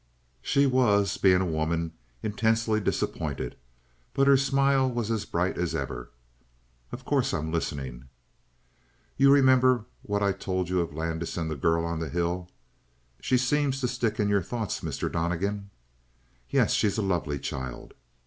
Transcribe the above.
She was, being a woman, intensely disappointed, but her smile was as bright as ever. "Of course I'm listening." "You remember what I told you of Landis and the girl on the hill?" "She seems to stick in your thoughts, Mr. Donnegan." "Yes, she's a lovely child."